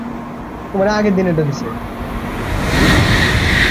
কুকুরদের ব্যাপারে লোকে কী বলে জানো তো।